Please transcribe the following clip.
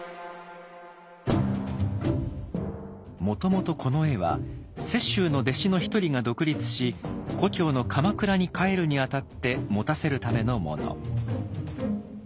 もともとこの絵は雪舟の弟子の一人が独立し故郷の鎌倉に帰るにあたって持たせるためのもの。